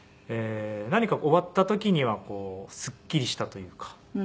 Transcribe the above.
何か終わった時にはスッキリしたというか。